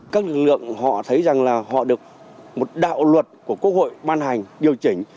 các lực lượng họ thấy rằng là họ được một đạo luật của quốc hội ban hành điều chỉnh